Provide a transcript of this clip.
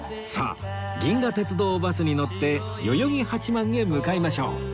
さあ銀河鉄道バスに乗って代々木八幡へ向かいましょう